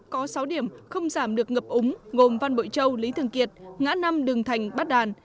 có sáu điểm không giảm được ngập úng gồm văn bội châu lý thường kiệt ngã năm đường thành bát đàn